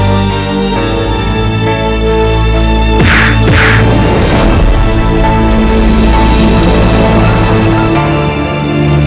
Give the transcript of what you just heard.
aku mohon cepatlah